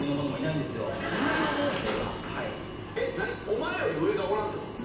お前より上がおらんってこと？